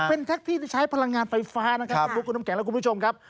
เป็นแท็กซี่ที่ใช้พลังงานไฟฟ้านะครับ